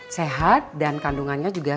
sehat dan kandungannya juga